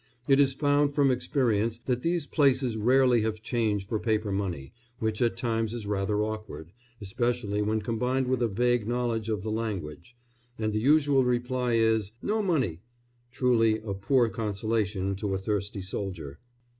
It is found from experience that these places rarely have change for paper money, which at times is rather awkward, especially when combined with a vague knowledge of the language; and the usual reply is "No money" truly a poor consolation to a thirsty soldier.